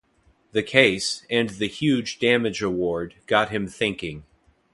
The case, and the huge damage award, got him thinking.